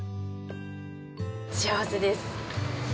幸せです。